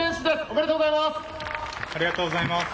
おめでとうございます。